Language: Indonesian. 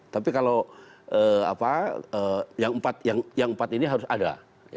tapi kalau yang empat ini harus ada